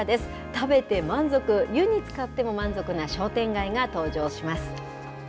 食べて満足、湯につかっても満足な商店街が登場します。